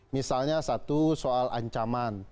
misalnya satu soal ancaman